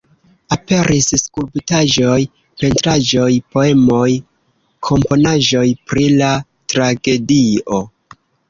Aperis skulptaĵoj, pentraĵoj, poemoj, komponaĵoj pri la tragedio.